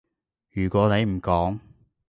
如果你唔講